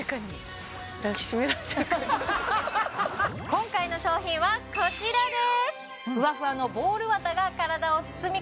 今回の商品はこちらです